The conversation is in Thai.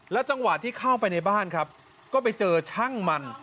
จังหวะที่เข้าไปในบ้านครับก็ไปเจอช่างมัน